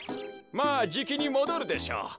まあじきにもどるでしょう。